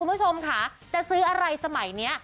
คุณผู้ชมค่ะจะซื้ออะไรสมัยนี้